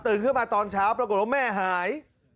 ขึ้นมาตอนเช้าปรากฏว่าแม่หาย